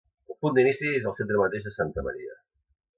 El punt d'inici és al centre mateix de Santa Maria